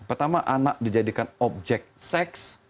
pertama anak dijadikan objek seks